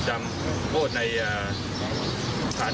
สวัสดีครับ